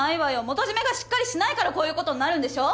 元締がしっかりしないからこういう事になるんでしょ！